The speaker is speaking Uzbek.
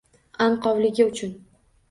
Anqovligi uchun.